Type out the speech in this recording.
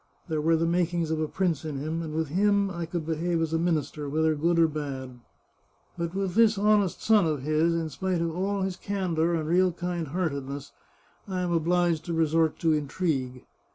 There were the makings of a prince in him, and with him I could behave as a minister, whether good or bad. But with this honest son of his, in spite of all his candour and real kind hearted ness, I am obliged to resort to intrigue.